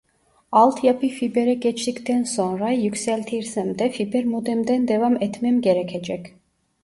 Alt yapı fibere geçtikten sonra yükseltirsem de fiber modemden devam etmem gerekecek